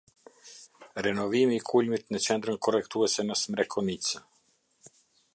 Renovimi i kulmit ne qendrën korrektuese ne smrekonicë